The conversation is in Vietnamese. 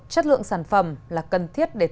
chất lượng sản phẩm là cần thiết để